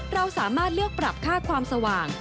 เราสามารถเลือกปรับค่าความสว่าง